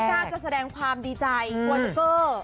ไม่กล้าจะแสดงความดีใจกว่าเกอร์